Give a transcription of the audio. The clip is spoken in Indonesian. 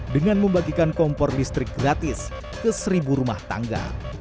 dengan membagikan kompor listrik gratis ke seribu rumah tangga